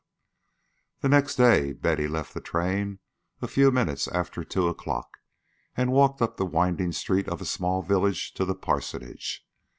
XII The next day Betty left the train a few minutes after two o'clock and walked up the winding street of a small village to the parsonage.